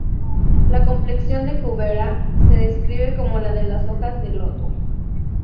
La complexión de Kúbera se describe como la de las hojas de loto.